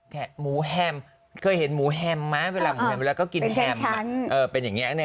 แค่หมูแฮมเคยเห็นหมูแฮมไหมเวลากินแฮมเป็นอย่างนี้